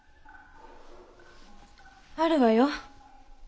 あるわよ。